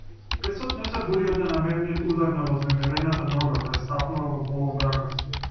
Песот не се буди од ненамерниот удар на вознемирената нога која стапнува во полумракот.